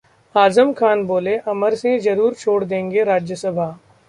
आजम खान बोले- अमर सिंह जरूर छोड़ देंगे राज्यसभा